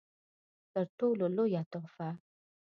تر ټولو لويه تحفه